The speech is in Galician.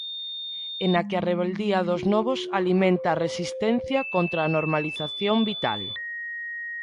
E na que a rebeldía dos novos alimenta a resistencia contra a normalización vital.